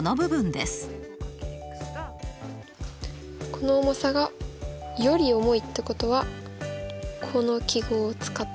この重さが「より重い」ってことはこの記号を使って表す。